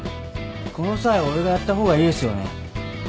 この際俺がやった方がいいですよね。